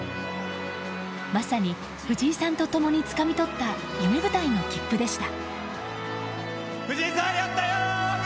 まさに藤井さんと共につかみ取った夢舞台の切符でした。